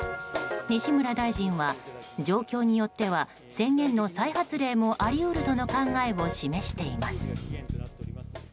西村大臣は状況によっては宣言の再発令もあり得るとの考えを示しています。